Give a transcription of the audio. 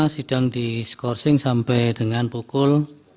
sidang di skorsing sampai dengan pukul sembilan belas tiga puluh